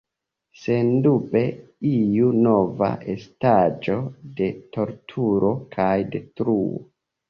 Sendube iu nova estaĵo de torturo kaj detruo.